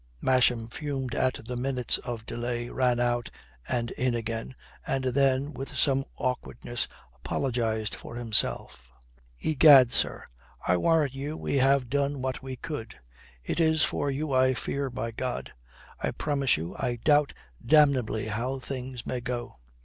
Masham fumed at the minutes of delay, ran out and in again, and then with some awkwardness apologized for himself. "Egad, sir, I warrant you we have done what we could. It is for you I fear, by God. I promise you, I doubt damnably how things may go.